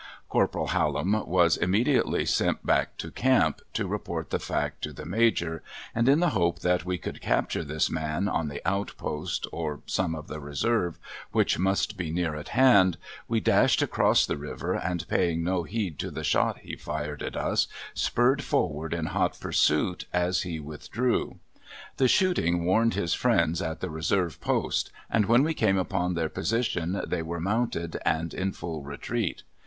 Corporal Hallam was immediately sent back to camp, to report the fact to the Major, and in the hope that we could capture this man on the outpost, or some of the reserve, which must be near at hand, we dashed across the river, and paying no heed to the shot he fired at us spurred forward in hot pursuit as he withdrew. The shooting warned his friends at the reserve post, and when we came upon their position they were mounted and in full retreat.